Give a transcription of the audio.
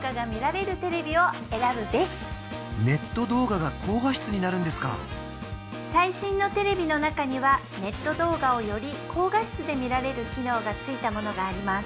ネット動画が高画質になるんですか最新のテレビの中にはネット動画をより高画質で見られる機能がついたものがあります